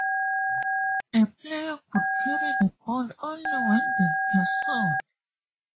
A player could carry the ball only when being pursued.